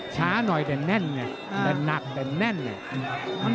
ช้าหน่อยแต่แน่นไงแต่หนักแต่แน่นเลย